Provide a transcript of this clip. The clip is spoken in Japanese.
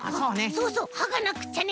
そうそう！はがなくっちゃね。